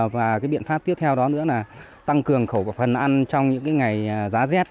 và cái biện pháp tiếp theo đó nữa là tăng cường khẩu phần ăn trong những ngày giá rét